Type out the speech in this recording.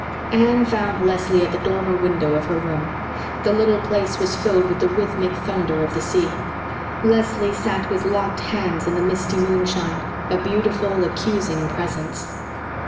Anne found Leslie at the dormer window of her room. The little place was filled with the rhythmic thunder of the sea. Leslie sat with locked hands in the misty moonshine a beautiful, accusing presence.